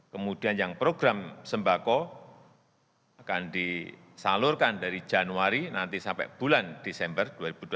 kemudian yang program sembako akan disalurkan dari januari nanti sampai bulan desember dua ribu dua puluh